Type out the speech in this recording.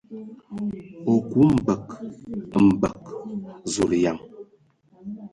O ku mbǝg mbǝg ! Zulǝyan.